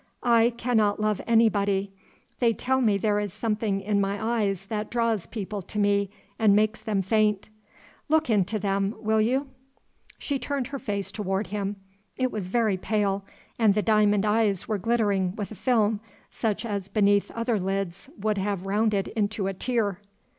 I cannot love anybody. They tell me there is something in my eyes that draws people to me and makes them faint: Look into them, will you?" She turned her face toward him. It was very pale, and the diamond eyes were glittering with a film, such as beneath other lids would have rounded into a tear.